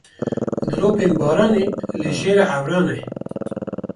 Dilopên baranê li jêra ewran e.